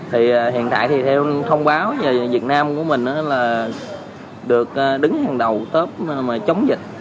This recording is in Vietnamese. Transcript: hiện tại theo thông báo việt nam của mình là được đứng hàng đầu tớp chống dịch